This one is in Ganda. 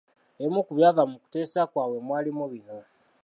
Ebimu ku byava mu kuteesa kwabwe mwalimu bino: